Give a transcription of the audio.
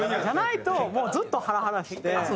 じゃないともうずっとハラハラしてて。